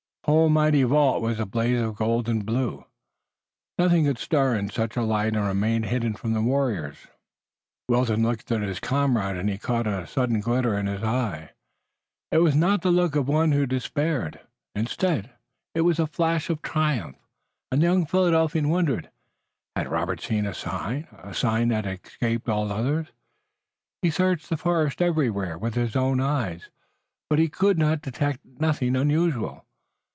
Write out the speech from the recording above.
The whole mighty vault was a blaze of gold and blue. Nothing could stir in such a light and remain hidden from the warriors. Wilton looked at his comrade and he caught a sudden glitter in his eyes. It was not the look of one who despaired. Instead it was a flash of triumph, and the young Philadelphian wondered. Had Robert seen a sign, a sign that had escaped all others? He searched the forest everywhere with his own eyes, but he could detect nothing unusual.